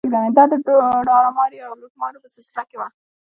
دا د داړه ماریو او لوټماریو په سلسله کې وه.